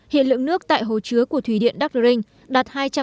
hiện lượng nước tại hồ chứa của thủy điện đắc đu rinh đạt hai trăm linh triệu m ba